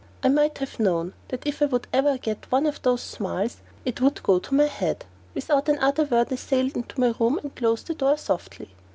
I might have known that if I ever got one of those smiles it would go to my head! Without another word I sailed into my room and closed the door softly.